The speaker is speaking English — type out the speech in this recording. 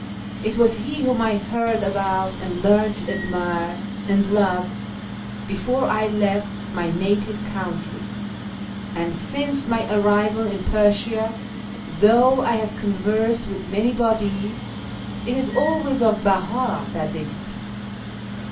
It was he whom I heard about and learned to admire and love before I left my native country : and since my arrival in Persia, though I have conversed with many Babis, it is always of Beh;i that they speak.